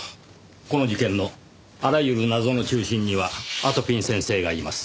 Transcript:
この事件のあらゆる謎の中心にはあとぴん先生がいます。